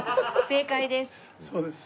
正解です。